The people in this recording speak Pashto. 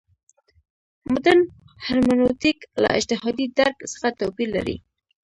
مډرن هرمنوتیک له اجتهادي درک څخه توپیر لري.